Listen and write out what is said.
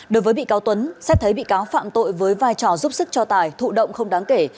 đối với bị cáo tuấn xét thấy bị cáo phạm tội với vai trò giúp sức cho tài thụ động không đáng kể